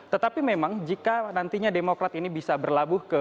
tetapi memang jika nantinya demokrat ini bisa berlabuh ke